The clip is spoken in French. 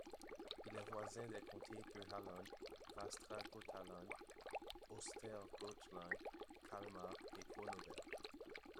Il est voisin des comtés de Halland, Västra Götaland, Östergötland, Kalmar et Kronoberg.